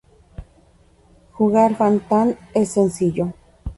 Jugar fan-tan es sencillo.